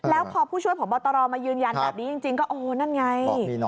แล้วพอผู้ช่วยผอบตรมายืนยันแบบนี้จริงก็โอ้นั่นไง